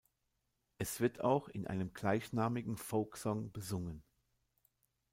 Es wird auch in einem gleichnamigen Folksong besungen.